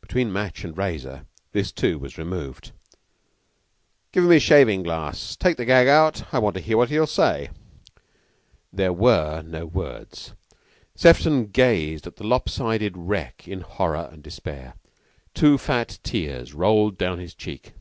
Between match and razor this, too, was removed. "Give him his shaving glass. Take the gag out. I want to hear what he'll say." But there were no words. Sefton gazed at the lop sided wreck in horror and despair. Two fat tears rolled down his cheek.